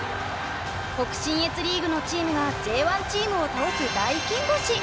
北信越リーグのチームがＪ１チームを倒す大金星。